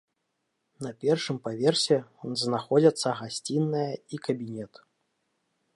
На першым паверсе знаходзяцца гасціная і кабінет.